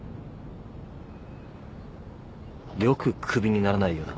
よくクビにならないよな。